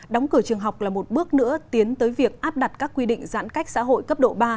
đóng cửa trường học là một bước nữa tiến tới việc áp đặt các quy định giãn cách xã hội cấp độ ba